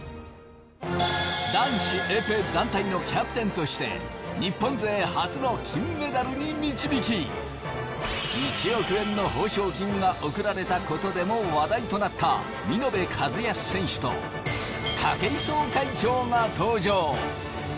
男子エペ団体のキャプテンとして日本勢初の金メダルに導き１億円の報奨金が贈られた事でも話題となった見延和靖選手と武井壮会長が登場。